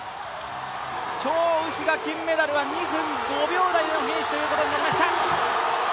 張雨霏が金メダルは２分５秒台でのフィニッシュということになりました。